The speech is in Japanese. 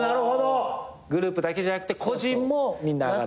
グループだけじゃなくて個人もみんな上がってく。